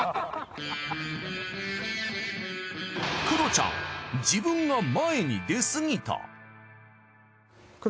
クロちゃん自分が前に出すぎた。